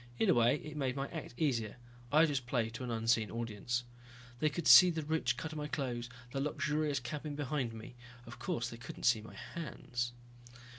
In a way it made my act easier, I just played to an unseen audience. They could see the rich cut of my clothes, the luxurious cabin behind me. Of course they couldn't see my hands.